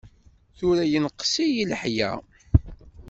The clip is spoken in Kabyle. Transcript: Tura yenqes-iyi leḥya.